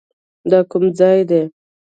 دا کوم ځاى دى.